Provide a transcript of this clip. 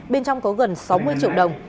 bên trong có gần sáu mươi triệu đồng